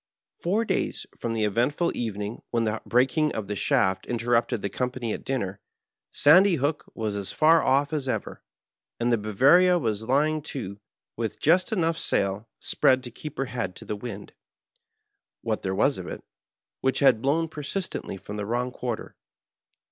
Four days from the eventful evening when the breaking of the shaft interrupted the company at dinner, Sandy Hook was as far off as ever, and the Bamaria was lying to, with just enough sail spread to keep her head to the wind — what there was of it — ^which had blown persist ently from the wrong quarter.